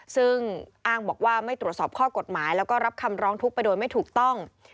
ซึ่งอ้างบอกว่าไม่ตรวจสอบข้อกฎหมายแล้วก็รับคำร้องทุกข์ไปโดยไม่ถูกต้อง